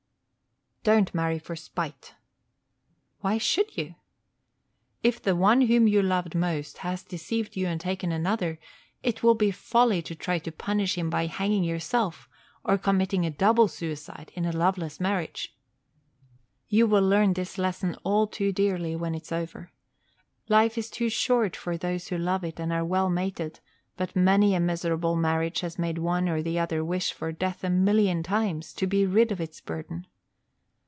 Don't marry for spite. Why should you? If the one whom you loved most has deceived you and taken another, it will be folly to try to punish him by hanging yourself, or committing a double suicide in a loveless marriage. You will learn this lesson all too dearly when it's over. Life is too short for those who love it and are well mated; but many a miserable marriage has made one or the other wish for death a million times, to be rid of its burden.